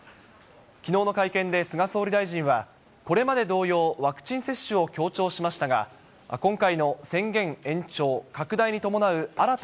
きのうの会見で菅総理大臣は、これまで同様、ワクチン接種を強調しましたが、今回の宣言延長、拡大に伴う新た